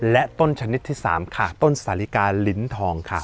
และต้นชนิดที่๓ค่ะต้นสาลิกาลิ้นทองค่ะ